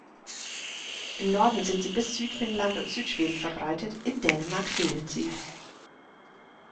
Im Norden sind sie bis Südfinnland und Südschweden verbreitet, in Dänemark fehlt sie.